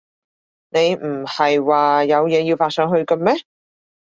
你唔喺話有嘢要發上去嘅咩？